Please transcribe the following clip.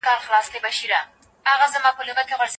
مؤمن له تقدیر سره جګړه نه کوي.